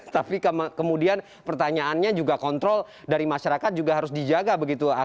tapi kemudian pertanyaannya juga kontrol dari masyarakat juga harus dijaga begitu